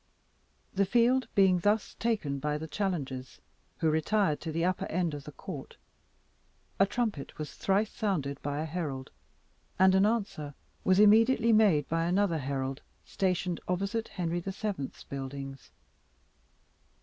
The field being thus taken by the challengers, who retired to the upper end of the court, a trumpet was thrice sounded by a herald, and an answer was immediately made by another herald stationed opposite Henry the Seventh's buildings.